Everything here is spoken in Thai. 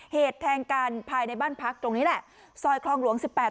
เหตุแทงกันภายในบ้านพักตรงนี้แหละซอยคลองหลวงสิบแปด